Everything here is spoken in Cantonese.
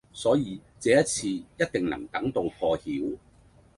所以這次也一定能等到破曉